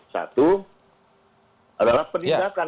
satu adalah penindakan